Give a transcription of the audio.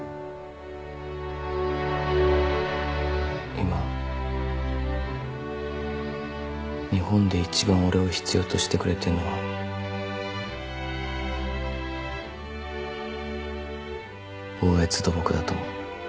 今日本で一番俺を必要としてくれてるのは大悦土木だと思う。